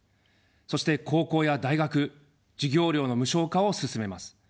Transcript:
そして高校や大学、授業料の無償化を進めます。